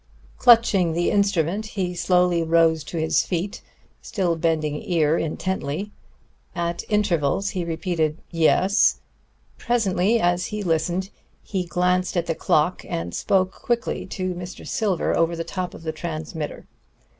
Clutching the instrument, he slowly rose to his feet, still bending ear intently. At intervals he repeated, "Yes." Presently, as he listened, he glanced at the clock, and spoke quickly to Mr. Silver over the top of the transmitter.